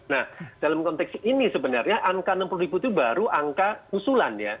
nah dalam konteks ini sebenarnya angka enam puluh ribu itu baru angka usulan ya